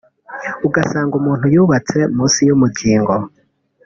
Ugasanga umuntu yubatse munsi y’umukingo